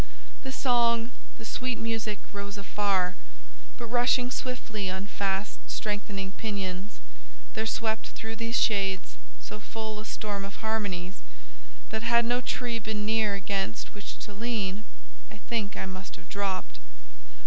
The song, the sweet music, rose afar, but rushing swiftly on fast strengthening pinions—there swept through these shades so full a storm of harmonies that, had no tree been near against which to lean, I think I must have dropped.